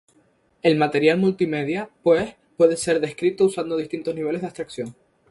El material multimedia, pues, puede ser descrito usando distintos niveles de abstracción.